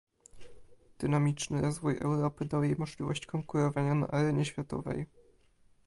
Dynamiczny rozwój Europy dał jej możliwość konkurowania na arenie światowej